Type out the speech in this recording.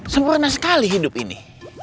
sempurna sekali hidup ini